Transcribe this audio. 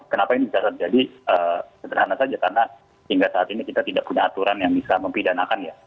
kenapa ini bisa terjadi sederhana saja karena hingga saat ini kita tidak punya aturan yang bisa mempidanakan ya